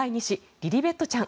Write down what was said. リリベットちゃん